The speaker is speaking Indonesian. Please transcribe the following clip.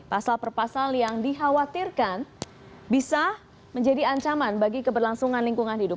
pasal per pasal yang dikhawatirkan bisa menjadi ancaman bagi keberlangsungan lingkungan hidup